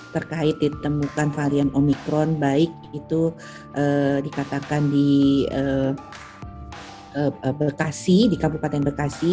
terkait ditemukan varian omikron baik itu dikatakan di bekasi di kabupaten bekasi